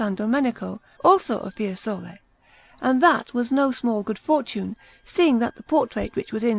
Domenico, also of Fiesole; and that was no small good fortune, seeing that the portrait which was in S.